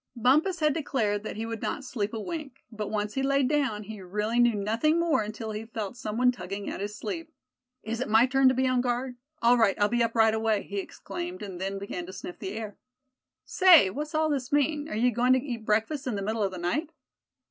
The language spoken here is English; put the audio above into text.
Bumpus had declared that he would not sleep a wink; but once he lay down, he really knew nothing more until he felt some one tugging at his sleeve. "Is it my turn to be on guard? All right, I'll be up right away!" he exclaimed, and then began to sniff the air. "Say, what's all this mean; are you goin' to eat breakfast in the middle of the night?"